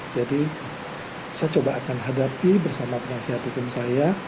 jadi saya coba akan hadapi bersama penasihat hukum saya